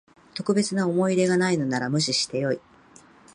特別な思い入れがないのなら無視してよい